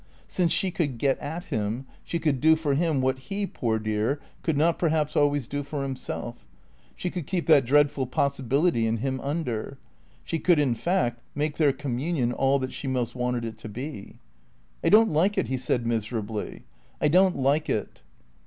Since she could get at him, she could do for him what he, poor dear, could not perhaps always do for himself; she could keep that dreadful possibility in him under; she could in fact, make their communion all that she most wanted it to be. "I don't like it," he said, miserably. "I don't like it."